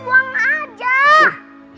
pokoknya jangan dibuang